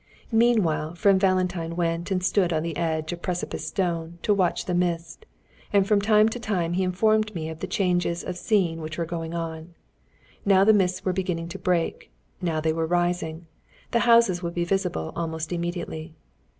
Meanwhile, friend Valentine went and stood on the edge of the Precipice Stone to watch the mist, and from time to time informed me of the changes of scene that were going on: now the mists were beginning to break, now they were rising, the houses would be visible almost immediately.